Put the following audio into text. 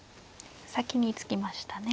先に突きましたね。